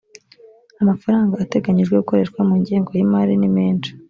amafaranga ateganyijwe gukoreshwa mu ngengo y’imari ni menshi